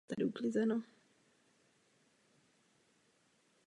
Účelová komunikace je komunikací sloužící ke spojení několika nemovitostí.